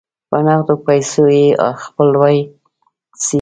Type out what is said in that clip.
په نغدو پیسو یې خپلولای سی.